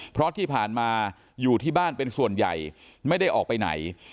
เพราะที่ผ่านมาอยู่ที่บ้านเป็นส่วนใหญ่ไม่ได้ออกไปไหน